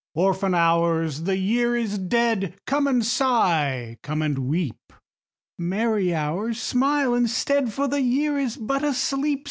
Orphan Hours, the Year is dead, Come and sigh, come and weep! Merry Hours, smile instead, For the Year is but asleep.